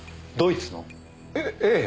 えええ。